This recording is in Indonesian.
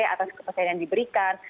atas kepercayaan yang diberikan